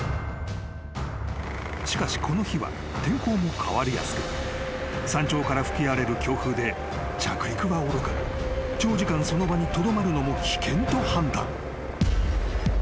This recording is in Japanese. ［しかしこの日は天候も変わりやすく山頂から吹き荒れる強風で着陸はおろか長時間その場にとどまるのも危険と判断］